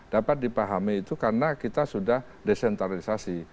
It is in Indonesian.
dapat dipahami itu karena kita sudah desentralisasi